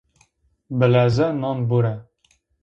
Bi leze nan bure